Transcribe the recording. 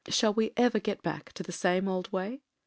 Shall we ever get back to the same old way?